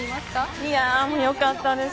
いや、よかったです。